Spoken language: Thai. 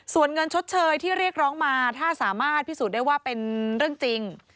ส่วนเงินชดเชยที่เรียกร้องมาถ้าสามารถพิสูจน์ได้ว่าเป็นเรื่องจริง